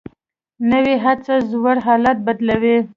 نوې هڅه زوړ حالت بدلوي